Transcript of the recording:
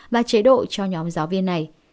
và chế độ cho nhóm giáo viên này